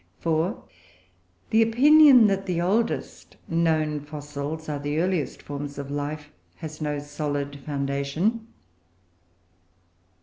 4. The opinion that the oldest known fossils are the earliest forms of life has no solid foundation.